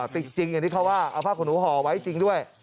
จริงอย่างที่เขาว่าเอาผ้าขนหนูห่อไว้จริงด้วย